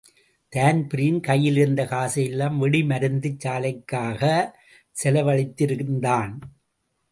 Dan Breen கையிலிருந்த காசையெல்லாம் வெடிமருந்துச் சாலைக்காகச் செலவழித்திருந்தான்.